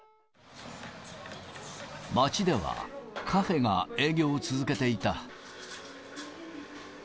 町では、カフェが営業を続けていた。